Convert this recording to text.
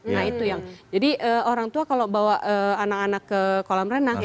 nah itu yang jadi orang tua kalau bawa anak anak ke kolam renang